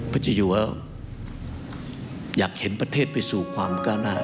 เจ้าอยู่อยากเห็นประเทศไปสู่ความก้าวหน้า